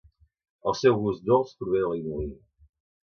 El seu gust dolç prové de la inulina.